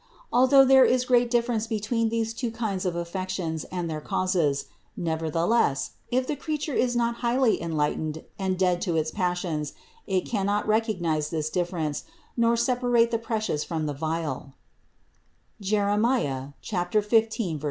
Al though there is great difference between these two kinds of affections and their causes, nevertheless, if the creature is not highly enlightened and dead to its passions, it can not recognize this difference, nor separate the precious 320 CITY OF GOD from the vile (Jer.